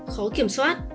khó kiểm soát